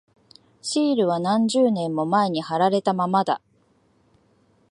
シールは何十年も前に貼られたままだ。